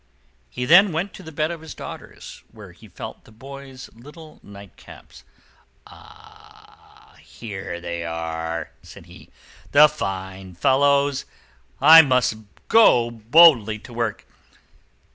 He then went to the bed of his daughters, where he felt the boys' little nightcaps. "Ah! here they are," said he, "the fine fellows! I must go boldly to work."